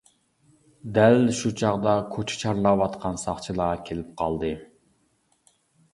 دەل شۇ چاغدا كوچا چارلاۋاتقان ساقچىلار كېلىپ قالدى.